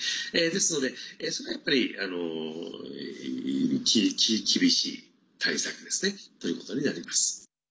ですので、それはやっぱり厳しい対策ということになります。